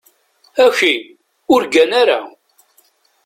Aki, ur ggan ara.